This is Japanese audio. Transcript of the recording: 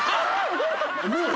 もう？